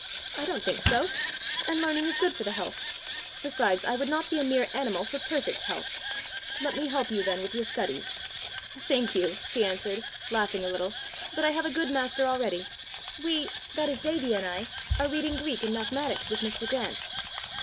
"I don't think so and learning is good for the health. Besides, I would not be a mere animal for perfect health!" "Let me help you then with your studies." "Thank you," she answered, laughing a little, "but I have a good master already! We, that is Davie and I, are reading Greek and mathematics with Mr. Grant."